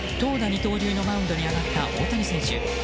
二刀流のマウンドに上がった大谷選手。